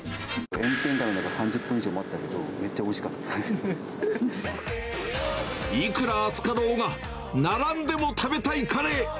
炎天下の中３０分以上待ったけど、めっちゃおいしかったっていくら暑かろうが、並んでも食べたいカレー。